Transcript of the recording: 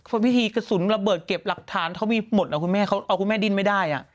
พระพิธีกระสุนระเบิดเก็บหลักฐานเขามีหมดเอาคุณแม่ดิ้นไม่ได้